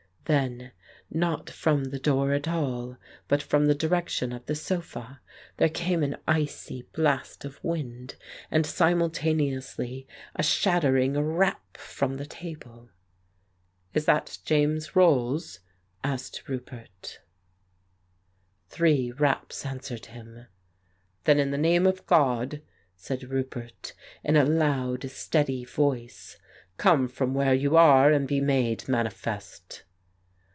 Then, not from the door at all, but from the direc tion of the sofa there came an icy blast of wind, and simultaneously a shattering rap from the table. "Is that James Rolls?" asked Roupert. 167 The Case of Frank Hampden Three raps answered him. "Then in the name of God," said Roupert, in a loud, steady voice, "come from where you are, and be made manifest."